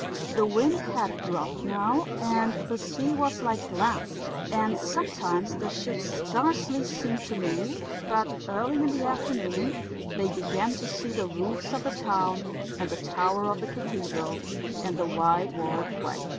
The wind had dropped now, and the sea was like glass, and sometimes the ship scarcely seemed to move, but early in the afternoon they began to see the roofs of the town and the tower of the cathedral and the white walled quay.